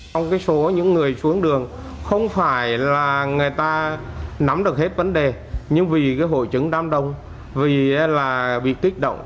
trong số những người xuống đường không phải là người ta nắm được hết vấn đề nhưng vì hội chứng đám đông vì là bị kích động